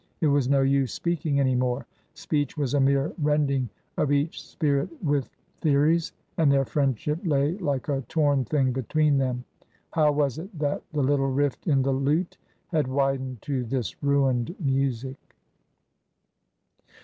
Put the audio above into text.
It was no use speaking any more — speech was a mere rending of each spirit with theories, and their friendship lay like a torn thing between them. How was it that the little rift in the lute had widened to this ruined music